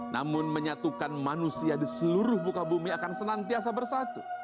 namun menyatukan manusia di seluruh muka bumi akan senantiasa bersatu